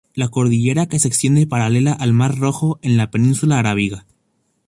La cordillera que se extiende paralela al mar Rojo en la península arábiga.